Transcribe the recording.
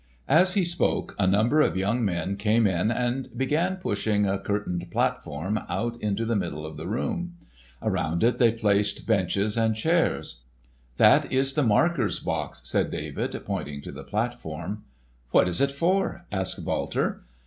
As he spoke a number of young men came in and began pushing a curtained platform out into the middle of the room. Around it they placed benches and chairs. "That is the marker's box," said David, pointing to the platform. "What is it for?" asked Walter.